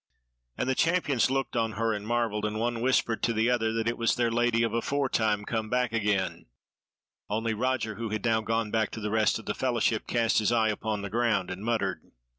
And the champions looked on her and marvelled, and one whispered to the other that it was their Lady of aforetime come back again; only Roger, who had now gone back to the rest of the fellowship, cast his eyes upon the ground, and muttered.